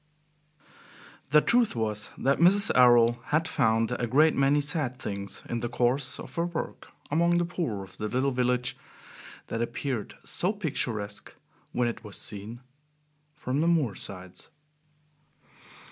X The truth was that Mrs. Errol had found a great many sad things in the course of her work among the poor of the little village that appeared so picturesque when it was seen from the moor sides.